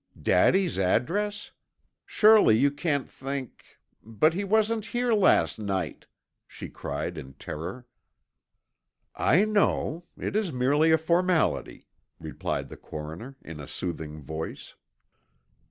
"Daddy's address? Surely you can't think but he wasn't here last night!" she cried in terror. "I know. It is merely a formality," replied the coroner, in a soothing voice.